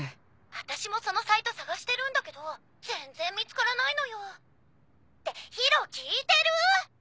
あたしもそのサイト捜してるんだけど全然見つからないのよ。って宙聞いてるー？